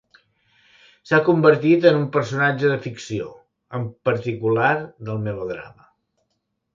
S'ha convertit en un personatge de ficció, en particular del melodrama.